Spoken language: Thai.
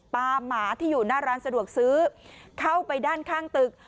หมาที่อยู่หน้าร้านสะดวกซื้อเข้าไปด้านข้างตึก